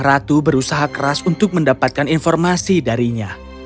ratu berusaha keras untuk mendapatkan informasi darinya